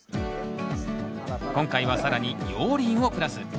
今回は更に熔リンをプラス。